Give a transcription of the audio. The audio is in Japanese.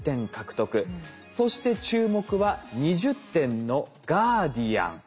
そして注目は２０点のガーディアン。